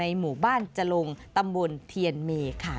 หมู่บ้านจลงตำบลเทียนเมค่ะ